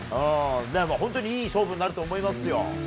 でも本当にいい勝負になると思いますよ。